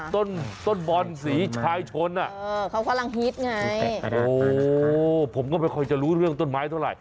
ต้นต้นบอลสีชายชนเขากำลังฮิตไงโอ้โหผมก็ไม่ค่อยจะรู้เรื่องต้นไม้เท่าไหร